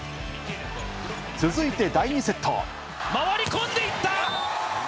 続いて第２セット。